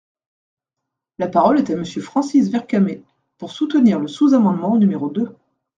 La parole est à Monsieur Francis Vercamer, pour soutenir le sous-amendement numéro deux.